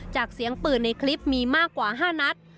เสียงปืนในคลิปมีมากกว่า๕นัด